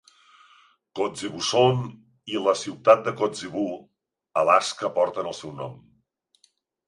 Kotzebue Sound i la ciutat de Kotzebue, Alaska porten el seu nom.